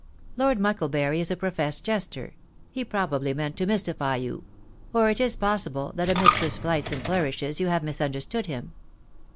Lord Mucklebury is a professed jester — he probably meant to mystify you — or it is possible that amidst his flights and flourislies you have misunderstood him.